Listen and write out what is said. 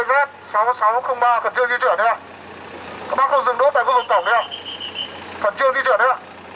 các bác không dừng đốt tại khu vực cổng đây ạ khẩn trương di chuyển đây ạ